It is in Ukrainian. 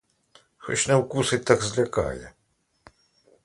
Хоч не вкусить, так злякає.